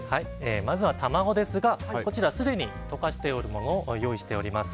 まずは卵ですがすでに溶きほぐしてあるものを用意してあります。